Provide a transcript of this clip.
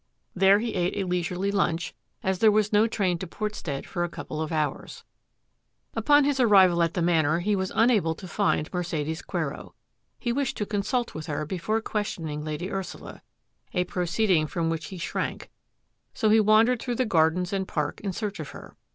There he ate a leisurely lunch, as there was no train to Portstead for a couple of hours. Upon his arrival at the Manor he was unable to find Mercedes Quero. He wished to consult with her before questioning Lady Ursula — a proceed ing from which he shrank — so he wandered through the gardens and park in search of her.